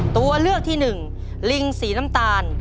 ตัวเลือกที่หนึ่งลิงสีน้ำตาล